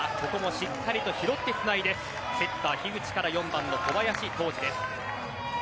ここもしっかりと拾ってつないでセッター樋口から４番の小林柊司です。